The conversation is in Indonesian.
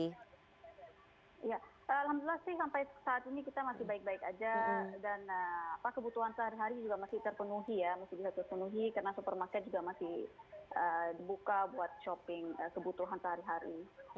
ya alhamdulillah sih sampai saat ini kita masih baik baik aja dan kebutuhan sehari hari juga masih terpenuhi ya masih bisa terpenuhi karena supermarket juga masih dibuka buat shopping kebutuhan sehari hari